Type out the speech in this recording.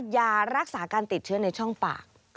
ยารักษาการติดเชื้อในช่องปาก